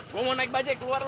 lo mau naik bajaj keluar lo